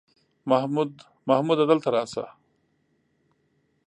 محموده دلته راسه!